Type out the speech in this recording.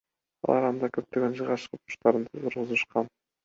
Алар анда көптөгөн жыгач курулуштарын тургузушкан.